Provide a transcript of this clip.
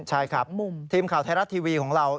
ใช่ครับทีมข่าวไทยรัฐทีวีของเรา